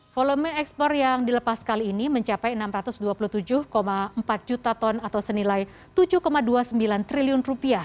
volume ekspor yang dilepas kali ini mencapai rp enam ratus dua puluh tujuh empat juta ton atau senilai rp tujuh dua puluh sembilan triliun